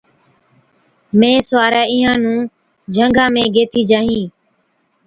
مين سُوارَي اِينهان نُون جھنگا ۾ گيهٿِي جاهِين،